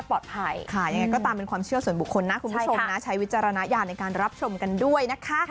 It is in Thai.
ทำให้เขาแคร้วฆากปลอดภัย